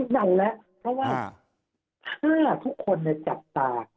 ดันแล้วเพราะว่าถ้าทุกคนจับตา